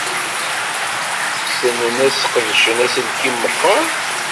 Ssnen ad sqedcen aselkim meqqar?